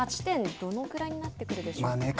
どのくらいになってくるでしょうか。